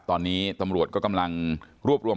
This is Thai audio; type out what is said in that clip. ตอนนี้ตำรวจก็กำลังรวบรวม